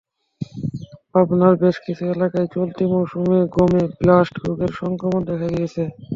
পাবনার বেশ কিছু এলাকায় চলতি মৌসুমে গমে ব্লাস্ট রোগের সংক্রমণ দেখা দিয়েছে।